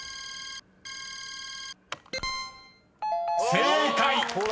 ［正解。